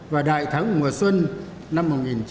và đại thắng mùa xuân năm một nghìn chín trăm bảy mươi năm